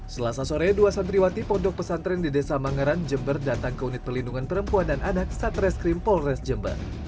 selasa sore dua santriwati pondok pesantren di desa mangaran jember datang ke unit pelindungan perempuan dan anak satreskrim polres jember